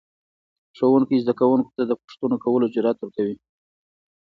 ښوونکی زده کوونکو ته د پوښتنو کولو جرأت ورکوي